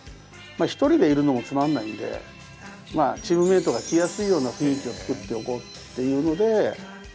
１人でいるのもつまんないのでチームメイトが来やすいような雰囲気を作っておこうっていうので。